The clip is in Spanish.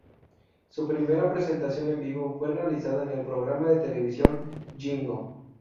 Su primera presentación en vivo fue realizada en el programa de televisión "Yingo".